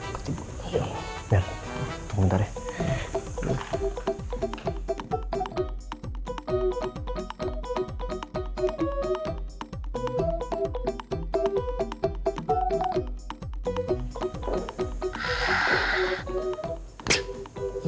biar sebentar ya